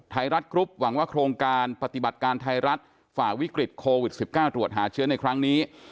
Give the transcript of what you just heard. ไทยรัฐกรุ๊ปหวังว่าโครงการปฏิบัติการไทยรัฐฝ่าวิกฤตโควิด๑๙ตรวจหาเชื้อในครั้งนี้